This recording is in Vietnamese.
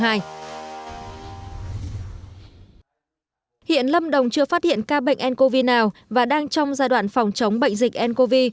hiện lâm đồng chưa phát hiện ca bệnh ncov nào và đang trong giai đoạn phòng chống bệnh dịch ncov